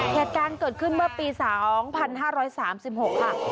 เหตุการณ์เกิดขึ้นเมื่อปี๒๕๓๖ค่ะ